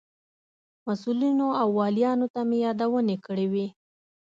مسئولینو او والیانو ته مې یادونې کړې وې.